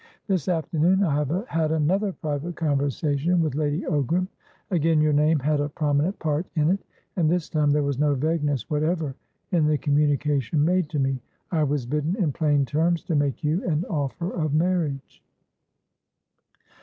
This afternoon, I have had another private conversation with Lady Ogram. Again your name had a prominent part in it, and this time there was no vagueness whatever in the communication made to me. I was bidden, in plain terms, to make you an offer of marriage."